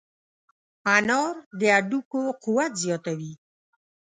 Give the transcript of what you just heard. انار د هډوکو قوت زیاتوي.